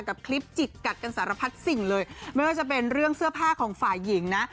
กับคลิปจิกกัดกันสารพัดสิ่งเลยไม่ว่าจะเป็นเรื่องเสื้อผ้าของฝ่ายหญิงนะ